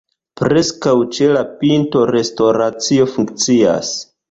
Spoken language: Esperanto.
Preskaŭ ĉe la pinto restoracio funkcias.